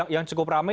yang cukup rame